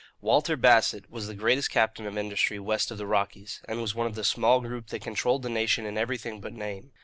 Walter Bassett was the greatest captain of industry west of the Rockies, and was one of the small group that controlled the nation in everything but name.